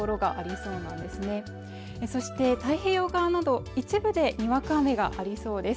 そして太平洋側など一部でにわか雨がありそうです